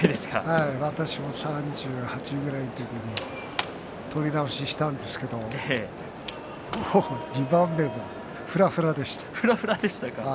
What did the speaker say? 私も３８歳くらいの時に取り直しをしたんですけれど２番目はふらふらでした。